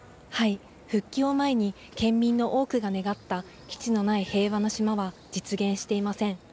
復帰を前に、県民の多くが願った基地のない平和の島は、実現していません。